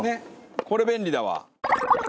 これ便利だわ。